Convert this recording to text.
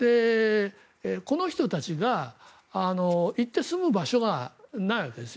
この人たちが行って住む場所がないわけです。